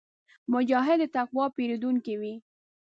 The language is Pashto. مجاهد د تقوا پېرودونکی وي.